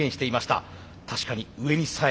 確かに上にさえ跳べば。